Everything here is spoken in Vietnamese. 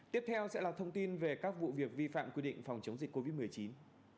tiếp theo sẽ là thông tin về các vụ việc vi phạm quy định phòng chống dịch covid một mươi chín